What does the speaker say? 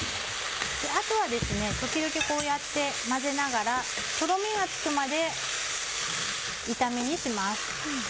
あとはですね時々こうやって混ぜながらとろみがつくまで炒め煮します。